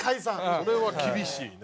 これは厳しいね。